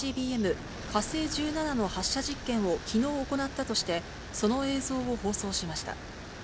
火星１７の発射実験をきのう行ったとして、その映像を放送しました。